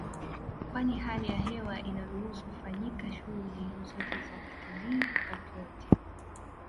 Kwani hali ya hewa inaruhusu kufanyika shughuli zote za kitalii wakati wote